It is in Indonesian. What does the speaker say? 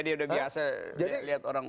dia udah biasa lihat orang